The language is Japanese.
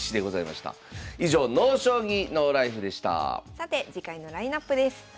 さて次回のラインナップです。